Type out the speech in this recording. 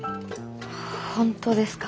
本当ですか？